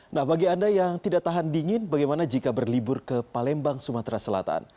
nah bagi anda yang tidak tahan dingin bagaimana jika berlibur ke palembang sumatera selatan